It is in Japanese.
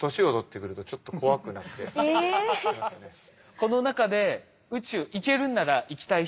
この中で宇宙行けるなら行きたい人？